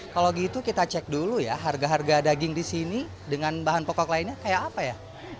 kalau gitu kita cek dulu ya harga harga daging di sini dengan bahan pokok lainnya kayak apa ya